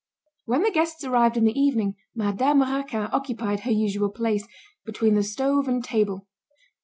When the guests arrived in the evening, Madame Raquin occupied her usual place, between the stove and table.